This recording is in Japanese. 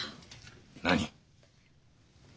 何？